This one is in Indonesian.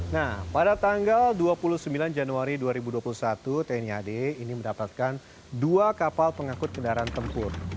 nah pada tanggal dua puluh sembilan januari dua ribu dua puluh satu tni ad ini mendapatkan dua kapal pengangkut kendaraan tempur